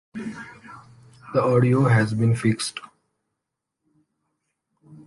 The audio has been fixed.